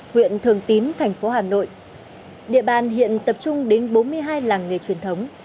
huyện thường tín thành phố hà nội địa bàn hiện tập trung đến bốn mươi hai làng nghề truyền thống